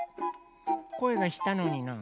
こえがしたのにな。